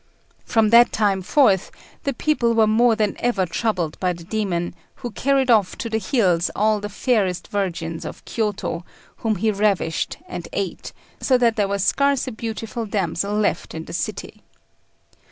From that time forth the people were more than ever troubled by the demon, who carried off to the hills all the fairest virgins of Kiôto, whom he ravished and ate, so that there was scarce a beautiful damsel left in the city.